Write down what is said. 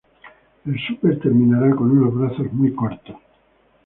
El Súper terminará con unos brazos muy cortos.